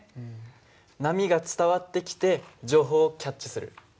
波が伝わってきて情報をキャッチする。